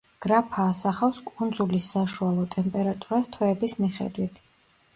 გრაფა ასახავს კუნძულის საშუალო ტემპერატურას თვეების მიხედვით.